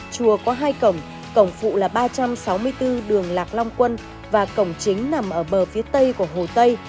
chùa có hai cổng cổng phụ là ba trăm sáu mươi bốn đường lạc long quân và cổng chính nằm ở bờ phía tây của hồ tây